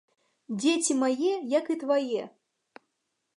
Дзеці мае, як і твае.